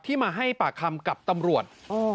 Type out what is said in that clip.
มาให้ปากคำกับตำรวจ